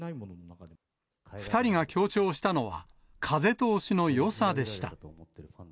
２人が強調したのは、風通しのよさでした。